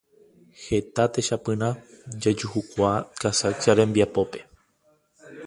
Heta techapyrã jajuhukuaa Casaccia rembiapópe.